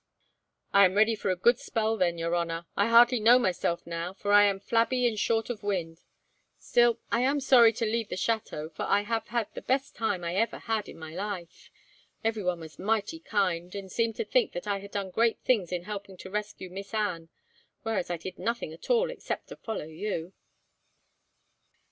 "I am ready for a good spell then, your honour. I hardly know myself now, for I am flabby and short of wind. Still, I am sorry to leave the chateau, for I have had the best time I ever had, in my life. Everyone was mighty kind, and seemed to think that I had done great things in helping to rescue Miss Anne, whereas I did nothing at all, except to follow you."